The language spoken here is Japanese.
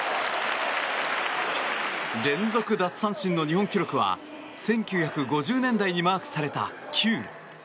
連続奪三振の日本記録は１９５０年代にマークされた９。